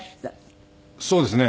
そうですね。